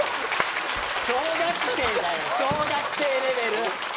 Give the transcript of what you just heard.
小学生だよ、小学生レベル。